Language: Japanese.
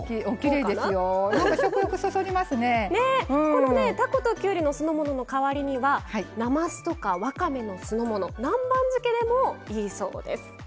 このねたこときゅうりの酢の物の代わりにはなますとかわかめの酢の物南蛮漬けでもいいそうです。